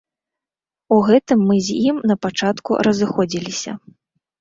У гэтым мы з ім на пачатку разыходзіліся.